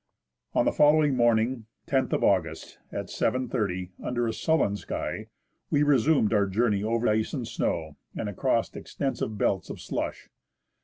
On the following morning (loth of August) at 7.30, under a sullen sky, we resumed our journey over ice and snow, and across extensive belts of slush.